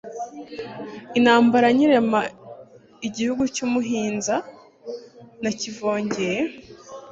Intambara nyirema igihugu cy' umuhinza nakivogeye